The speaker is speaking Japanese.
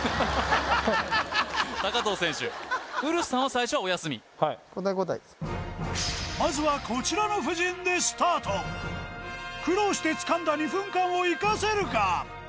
最初のはいはい交代交代ですまずはこちらの布陣でスタート苦労してつかんだ２分間を生かせるか？